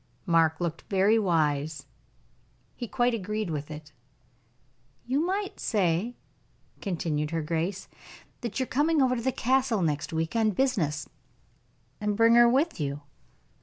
Mark looked very wise; he quite agreed with it. "You might say," continued her grace, "that you are coming over to the Castle next week on business, and bring her with you."